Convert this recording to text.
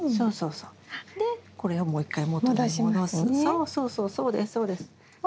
そうそうそうそうですそうです。